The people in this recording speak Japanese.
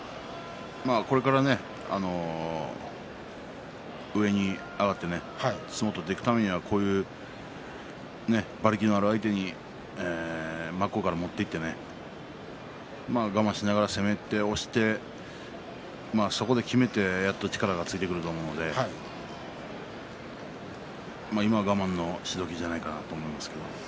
これから上に上がって相撲を取っていくためにはこういう馬力のある相手に真っ向から持っていって我慢しながら攻めて、押してそこできめてやっと力がついてくると思うので今は我慢のしどきじゃないかなと思いますけど。